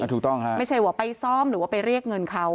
ถูกต้องฮะไม่ใช่ว่าไปซ้อมหรือว่าไปเรียกเงินเขา